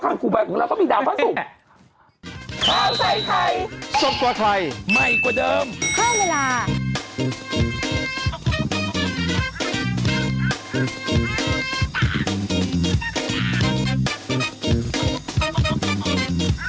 ข้างกูบายของเราก็มีดาวพระศุกร์